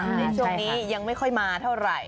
ในช่วงนี้ยังไม่ค่อยมาเท่าไหร่